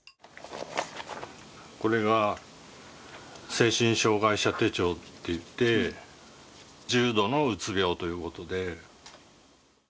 これが精神障害者手帳っていって、重度のうつ病ということで。